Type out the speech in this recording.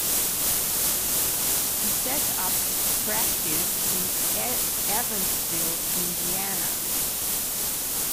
He set up practice in Evansville, Indiana.